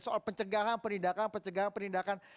soal pencegahan penindakan pencegahan penindakan